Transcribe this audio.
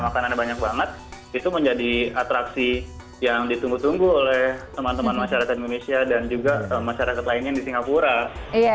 makanannya banyak banget itu menjadi atraksi yang ditunggu tunggu oleh teman teman masyarakat indonesia dan juga masyarakat lainnya di singapura